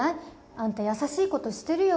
アンタ優しいことしてるよ。